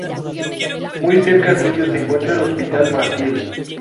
Muy cerca suyo se encuentra el Hospital Maciel.